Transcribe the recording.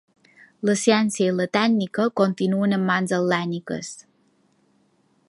La ciència i la tècnica continuen en mans hel·lèniques.